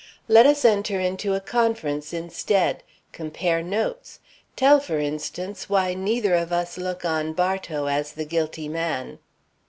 Let us enter into a conference instead; compare notes; tell, for instance, why neither of us look on Bartow as the guilty man."